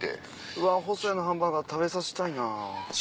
うわほそやのハンバーガー食べさせたいな。